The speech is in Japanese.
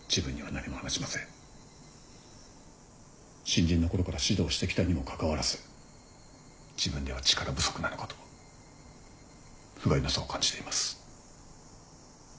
新人のころから指導してきたにもかかわらず自分では力不足なのかとふがいなさを感じています。